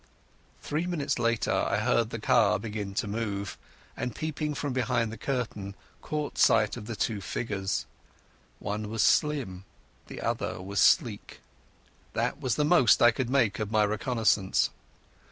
Three minutes later I heard the car begin to move, and peeping from behind the curtain caught sight of the two figures. One was slim, the other was sleek; that was the most I could make of my reconnaissance.